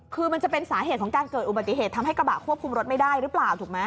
คือมันจะเป็นสาเหตุของการเกิดอุบัติเหตุทำให้กระบะควบคุมรถไม่ได้หรือเปล่าถูกไหม